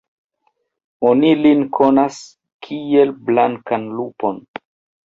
Oni lin konas, kiel blankan lupon.